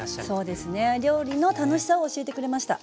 そうですね料理の楽しさを教えてくれました。